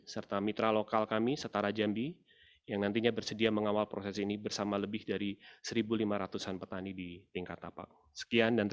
serta mitra lokal kami setara jambi yang nantinya bersedia mengawal proses ini bersama lebih dari satu lima ratus an petani di tingkat tapak